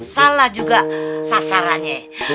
salah juga sasarannya